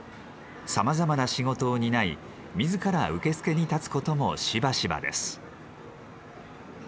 さまざまな仕事を担い自ら受付に立つこともしばしばです。